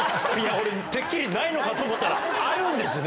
俺、てっきりないのかと思ったら、あるんですね？